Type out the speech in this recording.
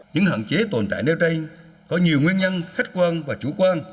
những hạn chế tồn tại nếu đây có nhiều nguyên nhân khách quan và chủ quan